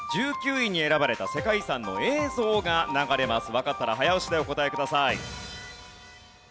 わかったら早押しでお答えください。